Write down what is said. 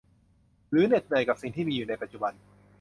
หรือเหน็ดเหนื่อยกับสิ่งที่มีอยู่ในปัจจุบัน